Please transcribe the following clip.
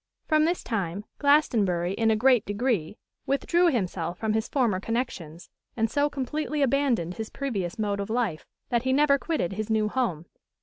From this time Glastonbury in a great degree withdrew himself from his former connexions, and so completely abandoned his previous mode of life, that he never quitted his new home.